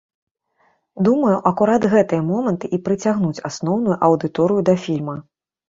Думаю, акурат гэтыя моманты і прыцягнуць асноўную аўдыторыю да фільма.